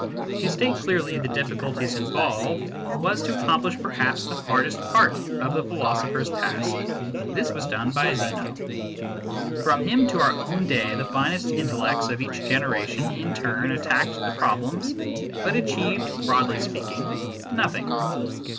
To state clearly the difficulties involved, was to accomplish perhaps the hardest part of the philosopher s task. This was done by Zeno. From him to our own day, the finest intellects of each generation in turn attacked the problems, but achieved, broadly speaking, nothing.